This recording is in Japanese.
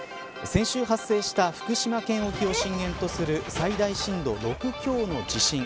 先週発生した福島県沖を震源とする最大震度６強の地震。